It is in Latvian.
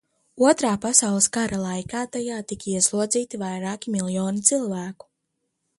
Otrā pasaules kara laikā tajā tika ieslodzīti vairāki miljoni cilvēku.